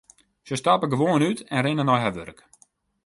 Se stappe gewoan út en rinne nei har wurk.